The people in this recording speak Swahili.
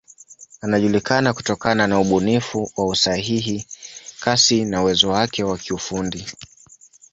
Anajulikana kutokana na ubunifu, usahihi, kasi na uwezo wake wa kiufundi.